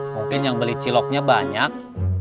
mungkin yang beli ciloknya banyak